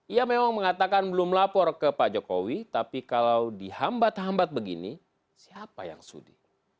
ia memang mengatakan belum lapor ke pak jokowi tapi kalau dihambat hambat begini siapa yang sudi